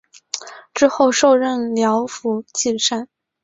之后授任辽府纪善。